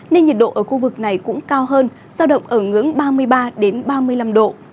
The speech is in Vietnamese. nên nhiệt độ ở khu vực này cũng cao hơn giao động ở ngưỡng ba mươi ba ba mươi năm độ